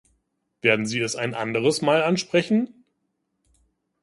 Werden Sie es ein anderes Mal ansprechen?